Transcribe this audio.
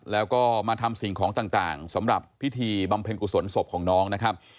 แล้วก็มาทำสิ่งของต่างสำหรับพิธีบำเพ็ญกุศลศพของน้องนะครับ